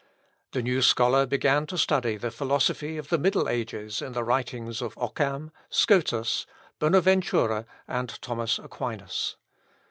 The new scholar began to study the philosophy of the middle ages in the writings of Occam, Scotus, Bonaventura, and Thomas Aquinas.